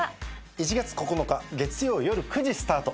１月９日月曜夜９時スタート。